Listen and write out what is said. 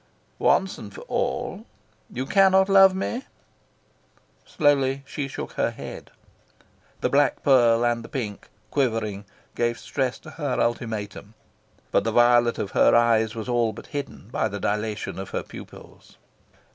"Once and for all: you cannot love me?" Slowly she shook her head. The black pearl and the pink, quivering, gave stress to her ultimatum. But the violet of her eyes was all but hidden by the dilation of her pupils.